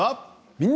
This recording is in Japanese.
「みんな！